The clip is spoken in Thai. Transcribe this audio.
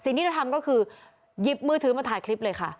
ที่เราทำก็คือหยิบมือถือมาถ่ายคลิปเลยค่ะ